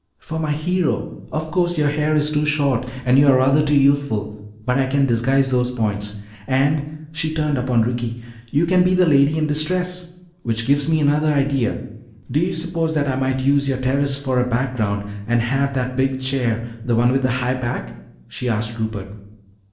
"For my hero. Of course your hair is too short and you are rather too youthful, but I can disguise those points. And," she turned upon Ricky, "you can be the lady in distress. Which gives me another idea. Do you suppose that I might use your terrace for a background and have that big chair, the one with the high back?" she asked Rupert.